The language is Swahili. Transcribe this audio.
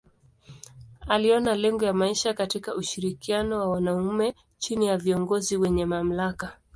Aliona lengo ya maisha katika ushirikiano wa wanaume chini ya viongozi wenye mamlaka.